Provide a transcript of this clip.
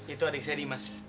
itu adik saya dimas